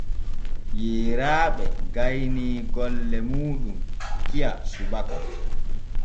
Yeyraaɓe gaynii golle muuɗum kiya subaka.